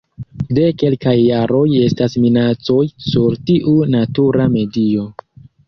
De kelkaj jaroj estas minacoj sur tiu natura medio.